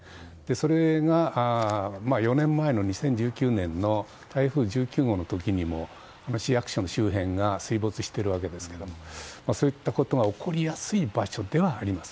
それが４年前の２０１９年の台風１９号の時にも市役所の周辺が水没しているわけですがそういったことが起こりやすい場所ではあります。